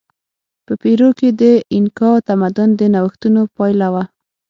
په پیرو کې د اینکا تمدن د نوښتونو پایله وه.